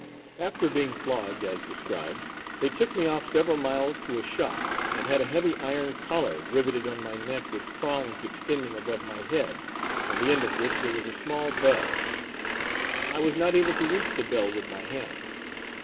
After being flogged as described, they took me off several miles to a shop and had a heavy iron collar riveted on my neck with prongs extending above my head, on the end of which there was a small bell. I was not able to reach the bell with my hand.